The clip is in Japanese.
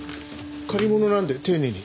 借り物なので丁寧に。